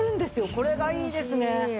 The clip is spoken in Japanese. これがいいですね。